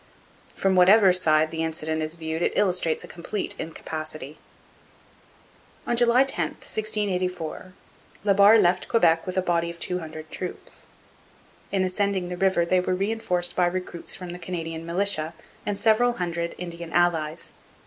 From whatever side the incident is viewed it illustrates a complete incapacity. On July 10, 1684, La Barre left Quebec with a body of two hundred troops. In ascending the river they were reinforced by recruits from the Canadian militia and several hundred Indian allies.